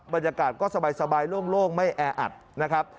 บรรยากาศก็สบายโล่งไม่แออัดนะครับ